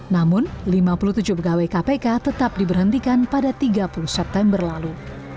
namun lima puluh tujuh pegawai kpk tetap diberhentikan pada tiga puluh september lalu